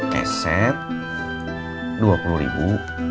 keset dua puluh ribu